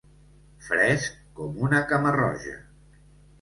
Fresc com una cama-roja.